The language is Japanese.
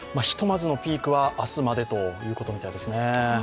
ひとまずのピークは明日までということのようですね。